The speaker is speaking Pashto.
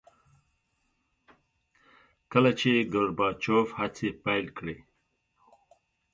کله چې ګورباچوف هڅې پیل کړې.